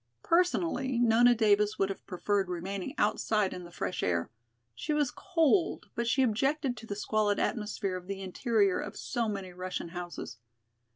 Personally Nona Davis would have preferred remaining outside in the fresh air. She was cold, but she objected to the squalid atmosphere of the interior of so many Russian houses.